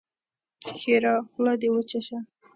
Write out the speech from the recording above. ښېرا: خوله دې وچه شه!